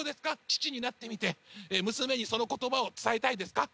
父になってみて娘にその言葉を伝えたいですか？